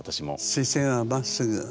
視線はまっすぐ。